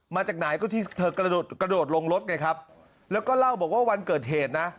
มาจากไหนก็ที่เธอกระโดดกระโดดลงรถไงครับแล้วก็เล่าบอกว่าวันเกิดเหตุนะ